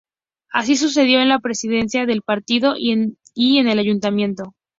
Así sucedió en la presidencia del partido y en el ayuntamiento.